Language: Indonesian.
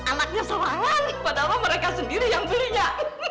anaknya semangat padahal mereka sendiri yang belinya